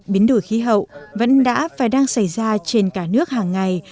biến đổi khí hậu vẫn đã và đang xảy ra trên cả nước hàng ngày